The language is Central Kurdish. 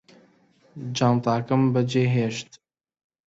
جانتاکەمم بەجێهێشت